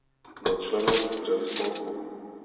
Byl členem řady spolků.